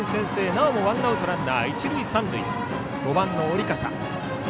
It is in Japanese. なおもワンアウトランナー、一塁三塁で５番、織笠。